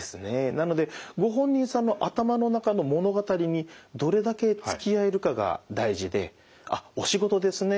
なのでご本人さんの頭の中の物語にどれだけつきあえるかが大事で「あっお仕事ですね。